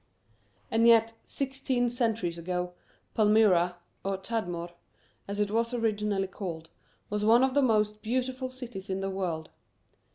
And yet, sixteen centuries ago, Palmyra, or Tadmor as it was originally called, was one of the most beautiful cities in the world.